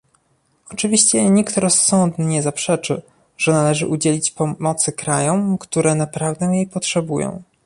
Oczywiście nikt rozsądny nie zaprzeczy, że należy udzielić pomocy krajom, które naprawdę jej potrzebują